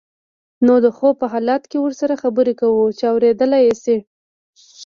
نو د خوب په حالت کې ورسره خبرې کوه چې اوریدلی شي.